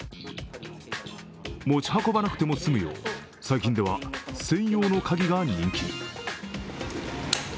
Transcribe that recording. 持ち運ばなくても済むよう、最近では専用の鍵が人気に。